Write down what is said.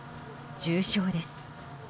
重傷です。